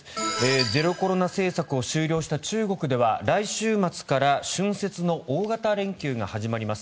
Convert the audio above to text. ゼロコロナ政策を終了した中国では来週末から春節の大型連休が始まります。